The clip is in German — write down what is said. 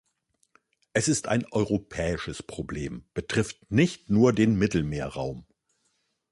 Es ist ein europäisches Problem betrifft nicht nur den Mittelmeerraum.